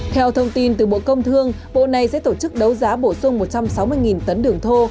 theo thông tin từ bộ công thương bộ này sẽ tổ chức đấu giá bổ sung một trăm sáu mươi tấn đường thô